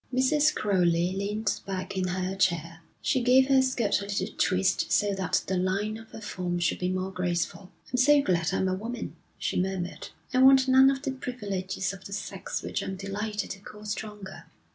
Mrs. Crowley leaned back in her chair. She gave her skirt a little twist so that the line of her form should be more graceful. 'I'm so glad I'm a woman,' she murmured. 'I want none of the privileges of the sex which I'm delighted to call stronger.